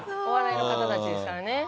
お笑いの方たちですからね。